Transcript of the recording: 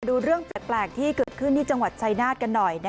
ดูเรื่องแปลกที่เกิดขึ้นที่จังหวัดชายนาฏกันหน่อย